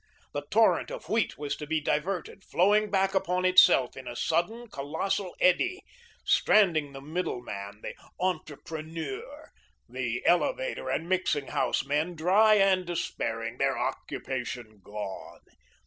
The torrent of wheat was to be diverted, flowing back upon itself in a sudden, colossal eddy, stranding the middleman, the ENTRE PRENEUR, the elevator and mixing house men dry and despairing, their occupation gone.